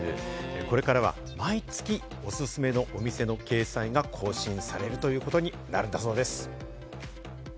これからは毎月おすすめのお店の掲載が更新されることになったんです。